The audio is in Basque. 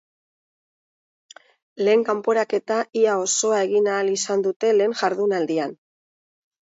Lehen kanporaketa ia osoa egin ahal izan dute lehen jardunaldian.